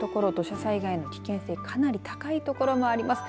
土砂災害の危険性かなり高い所もあります。